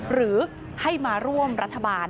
หรือให้มาร่วมรัฐบาล